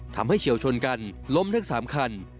ทำให้เฉียวชนกันล้มทั้ง๓คัน